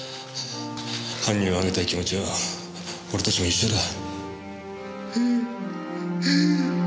犯人を挙げたい気持ちは俺たちも一緒だ。